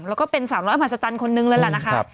แล้วก็เป็น๓๐๐ภาษาตันคนนึงแล้วล่ะนะคะ